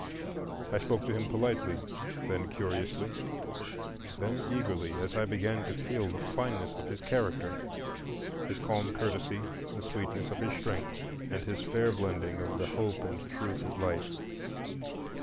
I spoke to him politely, then curiously, then eagerly, as I began to feel the fineness of his character,—his calm courtesy, the sweetness of his strength, and his fair blending of the hope and truth of life.